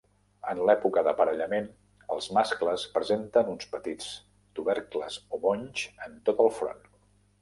En l’època d’aparellament els mascles presenten uns petits tubercles o bonys en tot el front.